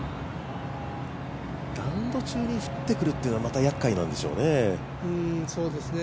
ラウンド中に降ってくるっていうのがまたやっかいなんでしょうね。